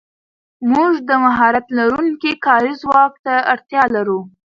موږ د مهارت لرونکي کاري ځواک ته اړتیا لرو.